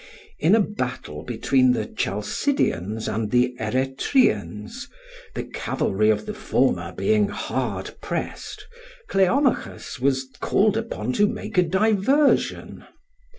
In a battle between the Chalcidians and the Eretrians, the cavalry of the former being hard pressed, Cleomachus was called upon to make a diversion.